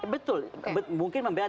betul mungkin membela